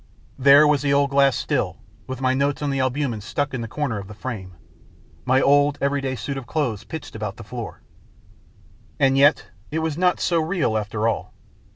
There was the old glass still, with my notes on the albumens stuck in the corner of the frame, my old everyday suit of clothes pitched about the floor. And yet it was not so real after all.